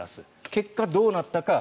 結果、どうなったか。